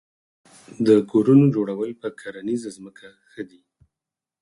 د کورونو جوړول په کرنیزه ځمکه ښه دي؟